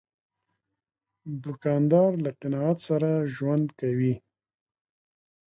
دوکاندار له قناعت سره ژوند کوي.